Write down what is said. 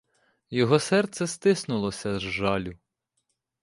Його серце стиснулося з жалю.